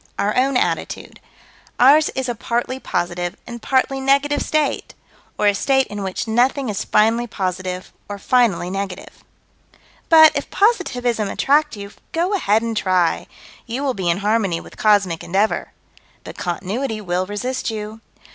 Our own attitude: Ours is a partly positive and partly negative state, or a state in which nothing is finally positive or finally negative But, if positivism attract you, go ahead and try: you will be in harmony with cosmic endeavor but Continuity will resist you.